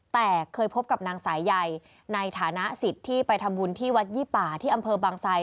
แต่เคยพบกับนางสายใยในฐานะสิทธิ์ที่ไปทำบุญที่วัดยี่ป่าที่อำเภอบางไซ